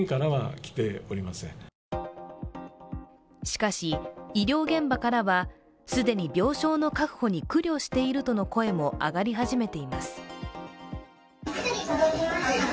しかし、医療現場からは、既に病床の確保に苦慮しているとの声も上がり始めています。